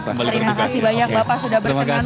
terima kasih banyak bapak sudah berkenan